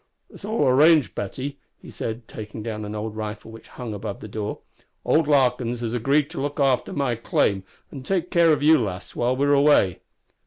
"It's all arranged, Betty," he said, taking down an old rifle which hung above the door; "old Larkins has agreed to look arter my claim and take care of you, lass, while we're away."